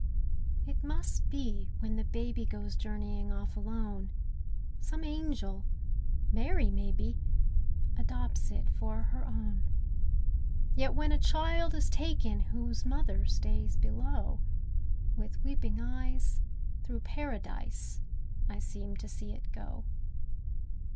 It must be when the baby Goes journeying off alone, Some angel (Mary, may be) Adopts it for her own. Yet when a child is taken Whose mother stays below, With weeping eyes, through Paradise, I seem to see it go.